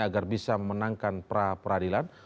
agar bisa memenangkan pra peradilan